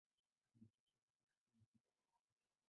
Wanatokea Afrika Kusini tu.